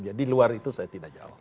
jadi luar itu saya tidak jawab